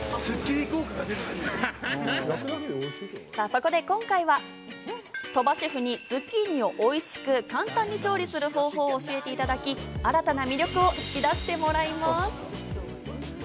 そこで今回は、鳥羽シェフにズッキーニをおいしく簡単に調理する方法を教えていただき、新たな魅力を引き出してもらいます。